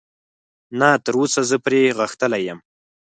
نه، تراوسه زه پرې غښتلی یم.